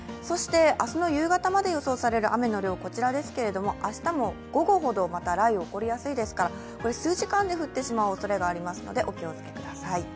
明日の夕方まで予想される雨の量、こちらですけれども、明日も午後ほどまた雷雨が起こりやすいですから、数時間で降ってしまうおそれがありますので、お気をつけください。